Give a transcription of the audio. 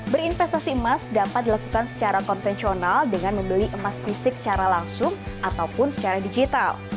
berinvestasi emas dapat dilakukan secara konvensional dengan membeli emas fisik secara langsung ataupun secara digital